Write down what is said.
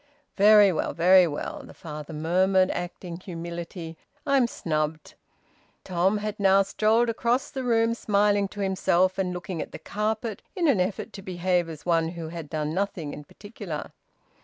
"Very well! Very well!" the father murmured, acting humility. "I'm snubbed!" Tom had now strolled across the room, smiling to himself, and looking at the carpet, in an effort to behave as one who had done nothing in particular.